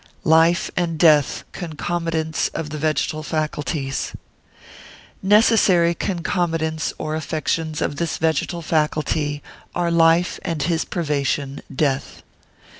Life and Death concomitants of the Vegetal Faculties.] Necessary concomitants or affections of this vegetal faculty are life and his privation, death.